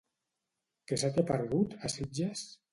Què se t'hi ha perdut, a Sitges?